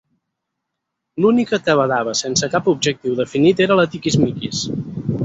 L'única que badava sense cap objectiu definit era la Tiquismiquis.